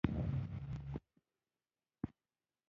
هغه وویل دغه برانډې اعلی درجه ده.